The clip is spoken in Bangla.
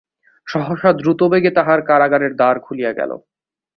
সহসা দ্রুতবেগে তাঁহার কারাগারের দ্বার খুলিয়া গেল।